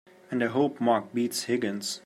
And I hope Mark beats Higgins!